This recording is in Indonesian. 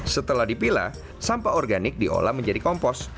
setelah dipilah sampah organik diolah menjadi kompos